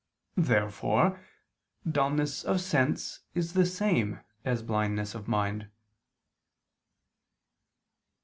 Therefore dulness of sense is the same as blindness of mind.